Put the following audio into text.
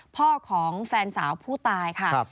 พ่อของแฟนสาวผู้ตายค่ะ